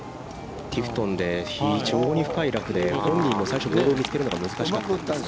ティフトンで、非常に深いラフで本人も最初、ボールを見つけるのが難しかったと。